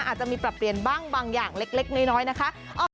อาจจะมีปรับเปลี่ยนบ้างบางอย่างเล็กน้อยนะคะ